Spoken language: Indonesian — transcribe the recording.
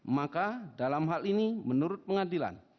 maka dalam hal ini menurut pengadilan